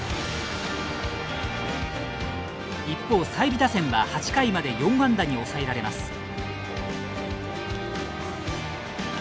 一方、済美打線は８回まで４安打に抑えられます。